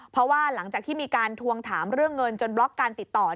เพราะว่าหลังจากที่มีการทวงถามเรื่องเงินจนบล็อกการติดต่อ